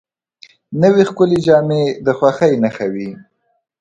نوې ښکلې جامې د خوښۍ نښه وي